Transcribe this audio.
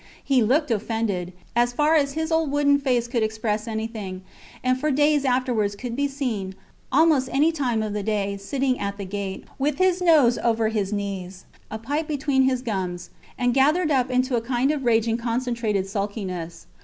He looked offended as far as his old wooden face could express anything; and for days afterwards could be seen, almost any time of the day, sitting at the gate, with his nose over his knees, a pipe between his gums, and gathered up into a kind of raging concentrated sulkiness.